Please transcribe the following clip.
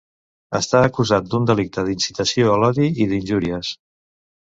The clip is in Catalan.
Està acusat d’un delicte d’incitació a l’odi i d’injúries.